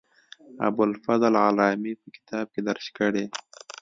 ابوالفضل علامي په کتاب کې درج کړې.